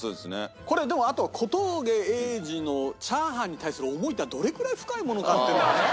これでもあと小峠英二のチャーハンに対する思いっていうのはどれくらい深いものかっていうのはね